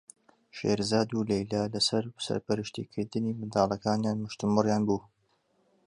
شێرزاد و لەیلا لەسەر سەرپەرشتیکردنی منداڵەکانیان مشتومڕیان بوو.